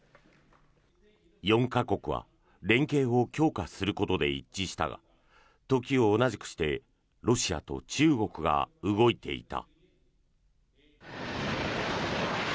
４か国は連携を強化することで一致したが時を同じくしてロシアと中国が動いていた。